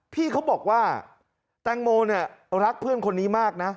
พี่เขาบอกว่าแตงโมเนี่ยรักเพื่อนคนนี้มากนะ